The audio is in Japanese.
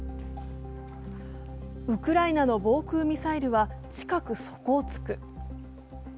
ウクライナの防空ミサイルは近く、底をつく。